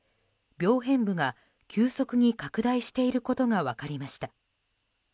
病変部が急速に拡大していることが分かりました。